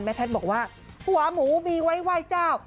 แพทย์บอกว่าหัวหมูมีไว้ไหว้เจ้า